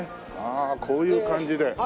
ああこういう感じで。